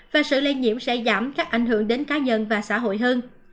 và sự lây nhiễm sẽ giảm các ảnh hưởng đến cá nhân và xã hội hơn